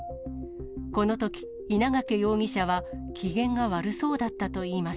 このとき、稲掛容疑者は機嫌が悪そうだったといいます。